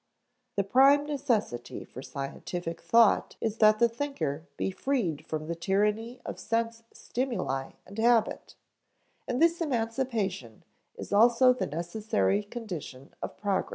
The prime necessity for scientific thought is that the thinker be freed from the tyranny of sense stimuli and habit, and this emancipation is also the necessary condition of progress.